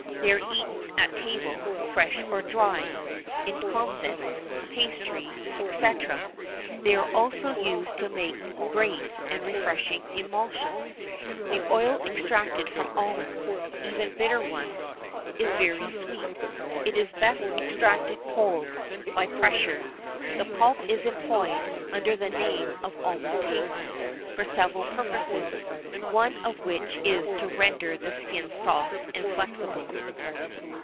They are eaten at table, fresh or dry; in comfits, pastry, &c.: they are also used to make orgeat and refreshing emulsions. The oil extracted from almonds, even bitter ones, is very sweet; it is best extracted cold, by pressure. The pulp is employed, under the name of almond paste, for several purposes, one of which is to render the skin soft and flexible.